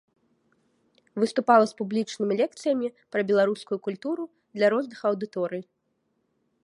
Выступала з публічнымі лекцыямі пра беларускую культуру для розных аўдыторый.